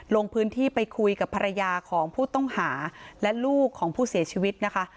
ลงพื้นที่ไปคุยกับภรรยาของผู้ต้องหาและลูกของผู้เสียชีวิตนะคะ